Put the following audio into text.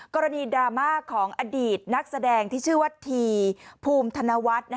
กรณีดราม่าของอดีตนักแสดงที่ชื่อวัดทีภูมิธนวัฒน์